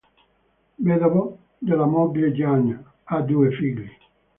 Vedovo della moglie Jeanne, ha due figli.